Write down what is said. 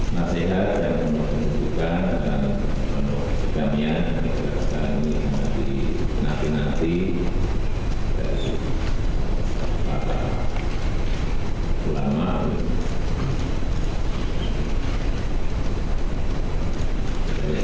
masih ada yang membutuhkan dan menolong sekalian